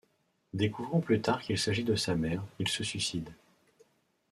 Découvrant plus tard qu'il s'agit de sa mère, il se suicide.